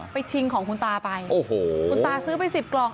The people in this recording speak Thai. ชิงของคุณตาไปโอ้โหคุณตาซื้อไปสิบกล่อง